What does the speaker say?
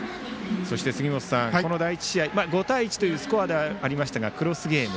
そして杉本さん、第１試合５対１というスコアではありましたがクロスゲーム。